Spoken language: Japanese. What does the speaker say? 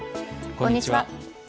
こんにちは。